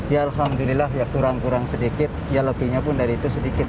ya alhamdulillah ya kurang kurang sedikit ya lebihnya pun dari itu sedikit